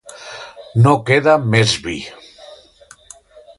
No queda més vi.